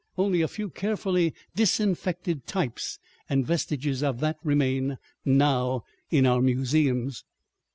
Only a few carefully disinfected types and vestiges of that remain now in our museums.